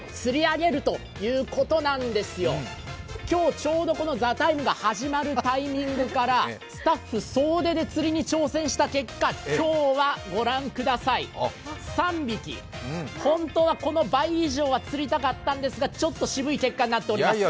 今日ちょうどこの「ＴＨＥＴＩＭＥ，」が始まるタイミングからスタッフ総出で釣りに挑戦した結果、今日はご覧ください、３匹、本当は倍以上は釣りたかったんですがちょっと渋い結果になっております。